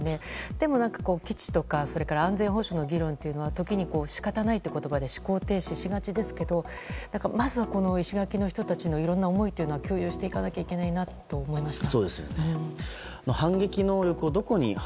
でも、基地とか安全保障の議論というのは時に仕方がないっていう言葉で思考停止しがちですけどまずは、この石垣の人たちのいろんな思いを共有していかなければなと思いました。